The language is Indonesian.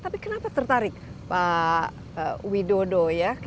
tapi kenapa tertarik pak widodo ya